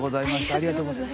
ありがとうございます。